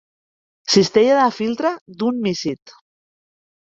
Cistella de filtre d'un mísid.